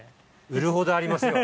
売るほどありますよ。